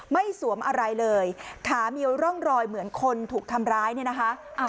สวมอะไรเลยขามีร่องรอยเหมือนคนถูกทำร้ายเนี่ยนะคะ